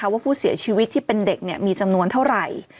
ว่าผู้เสียชีวิตที่เป็นเด็กมีจำนวนเท่าไหร่